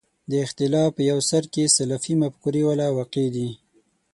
د اختلاف په یو سر کې سلفي مفکورې والا واقع دي.